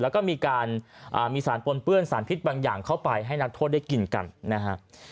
แล้วก็มีการมีสารปนเปื้อนสารพิษบางอย่างเข้าไปให้นักโทษได้กินกันนะฮะ